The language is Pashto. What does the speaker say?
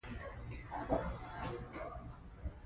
بامیان د افغانستان د اقلیم یوه خورا ځانګړې او مهمه ځانګړتیا ده.